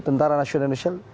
tentara nasional indonesia